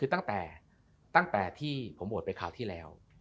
ตั้งแต่ที่ผมโหวตไปคราวที่แล้ว